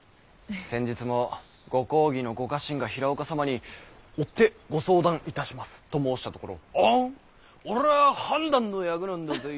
先日もご公儀のご家臣が平岡様に「追ってご相談いたします」と申したところ「はぁ？俺は判断の役なんだぜぃ。